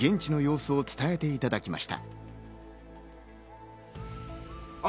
現地の様子を伝えていただきました。